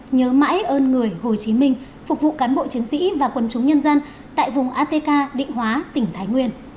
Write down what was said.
nhớ mãi ơn người hồ chí minh phục vụ cán bộ chiến sĩ và quân chúng nhân dân tại vùng atk định hóa tỉnh thái nguyên